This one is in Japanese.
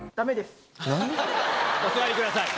お座りください。